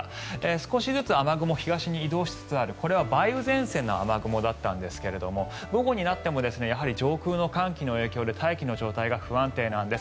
少しずつ雨雲は東に移動しつつあるこれは梅雨前線の雨雲だったんですけれども午後になってもやはり上空の寒気の影響で大気の状態が不安定なんです。